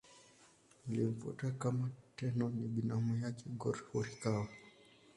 Aliyemfuata kama Tenno ni binamu yake Go-Horikawa.